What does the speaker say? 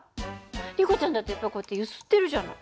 リコちゃんだってやっぱこうやって揺すってるじゃない。